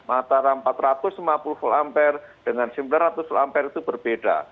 antara empat ratus lima puluh volt ampere dengan sembilan ratus ampere itu berbeda